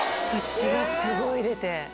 血がすごい出て。